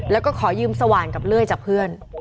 แล้วก็ขอยืมสว่านกับเลื่อยจากเพื่อน